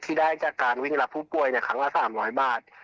ที่ได้จากการรับผู้ป่วยขังละ๓๐๐บาท